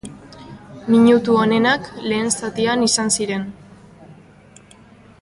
Minutu onenak lehen zatian izan ziren.